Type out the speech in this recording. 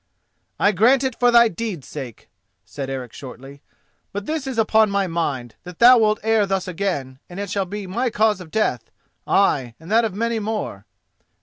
"I grant it for thy deeds' sake," said Eric shortly; "but this is upon my mind: that thou wilt err thus again, and it shall be my cause of death—ay, and that of many more."